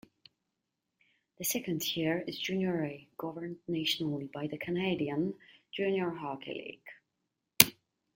The second tier is Junior A, governed nationally by the Canadian Junior Hockey League.